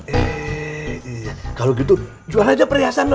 eh kalau gitu jual aja perhiasan lo